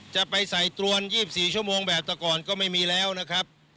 จะไปใส่ตรวน๒๔ชั่วโมงแบบแต่ก่อนก็ไม่มีแล้วนะครับ